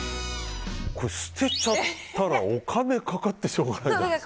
捨てちゃったらお金かかってしょうがないですよ。